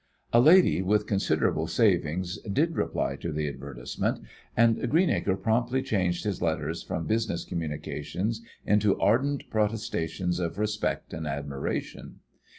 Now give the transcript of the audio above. A lady with considerable savings did reply to the advertisement, and Greenacre promptly changed his letters from business communications into ardent protestations of respect and admiration.